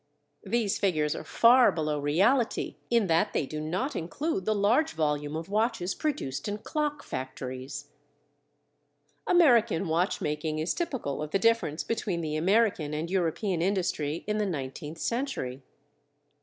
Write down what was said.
These figures are far below reality in that they do not include the large volume of watches produced in clock factories. American watch making is typical of the difference between the American and European industry in the nineteenth century.